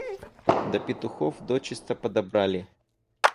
До петухов дочиста подобрали.